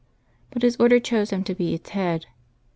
But his Order chose him to be its head.